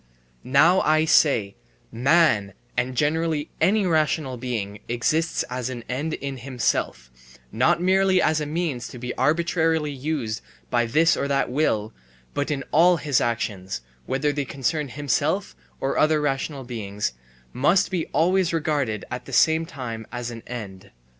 Now I say: man and generally any rational being exists as an end in himself, not merely as a means to be arbitrarily used by this or that will, but in all his actions, whether they concern himself or other rational beings, must be always regarded at the same time as an end.